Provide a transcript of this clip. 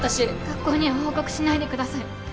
学校には報告しないでください。